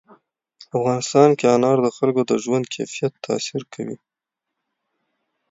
په افغانستان کې انار د خلکو د ژوند کیفیت تاثیر کوي.